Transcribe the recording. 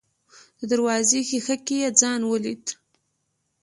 د دروازې ښيښه کې يې ځان وليد.